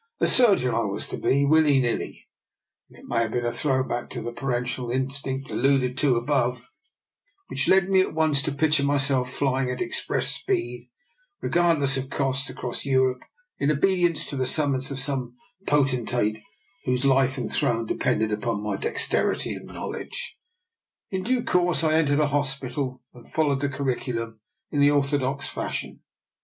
A surgeon I was to be, willy nilly, and it may have been a throw back to the parental in stinct alluded to above, which led me at once to picture myself flying at express speed, re gardless of cost, across Europe in obedience to the summons of some potentate whose life and throne depended upon my dexterity and knowledge. In due course I entered a hospital, and fol lowed the curriculum in the orthodox fash ion.